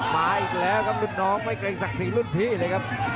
มาอีกแล้วครับรุ่นน้องไม่เกรงศักดิ์ศรีรุ่นพี่เลยครับ